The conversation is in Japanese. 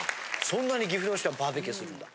そんなに岐阜の人はバーベキューするんだ？